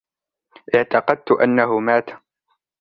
إعتقدتُ أنهُ مات.